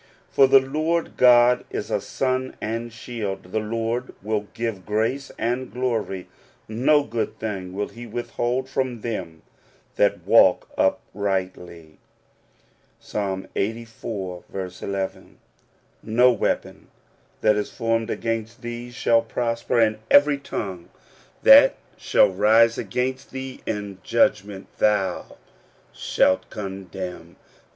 For the Lord God is a sun and shield : the Lord will give grace and glory : no good thing will he withhold from them that walk uprightly" (Ps. Ixxxiv. Ii). "No weapon that is formed against thee shall prosper ; and every tongue that shall rise against thee in judgment thou shalt condemn.